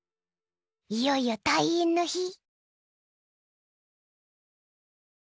いよいよ退院の日。